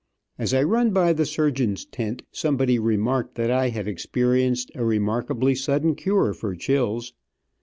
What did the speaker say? As I run by the surgeon's tent, somebody remarked that I had experienced a remarkably sudden cure for chills.